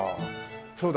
そうだ。